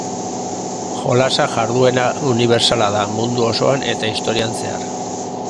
jolasa jarduera unibertsala da mundu osoan eta historian zehar.